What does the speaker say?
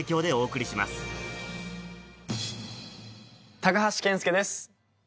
高橋健介です！